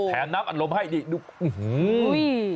แถมน้ำอารมณ์ให้นี่ดูอื้อหือ